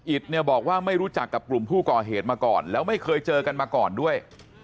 เนี่ยบอกว่าไม่รู้จักกับกลุ่มผู้ก่อเหตุมาก่อนแล้วไม่เคยเจอกันมาก่อนด้วย